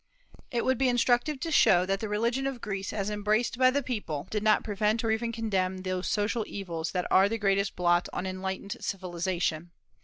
It would be instructive to show that the religion of Greece, as embraced by the people, did not prevent or even condemn those social evils that are the greatest blot on enlightened civilization.